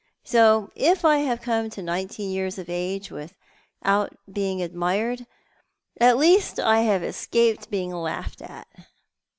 So if I have come to nineteen years of ago without being admired, I have at least cscai^eJ Ix^ing laughed at!